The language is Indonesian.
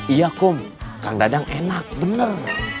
iya kum kang dadang enak bener